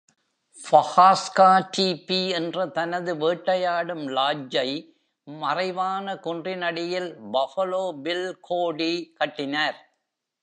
Pahaska Teepee என்ற தனது வேட்டையாடும் லாட்ஜை மறைவான குன்றினடியில் Buffalo Bill Cody கட்டினார்.